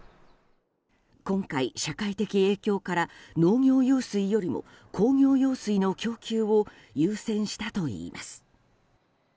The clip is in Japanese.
今回、社会的影響から農業用水よりも工業用水の供給を優先したといいます。